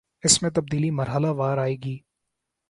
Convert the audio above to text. اس میں تبدیلی مرحلہ وار آئے گی